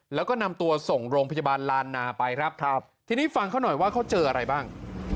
แล้วก็นำตัวส่งโรงพยาบาลลานนาไปครับครับทีนี้ฟังเขาหน่อยว่าเขาเจออะไรบ้าง